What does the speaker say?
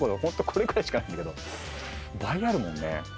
これくらいしかないんだけど倍あるもんね。